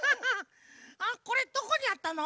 あっこれどこにあったの？